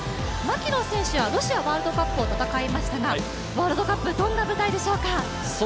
槙野選手はロシアワールドカップを戦いましたがワールドカップどんな舞台でしょうか？